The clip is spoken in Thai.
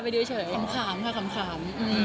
ก็คือทุ่ม๒๐๐ล้านซื้อเรือนห่อ